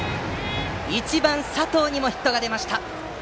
１番、佐藤にもヒットが出ました。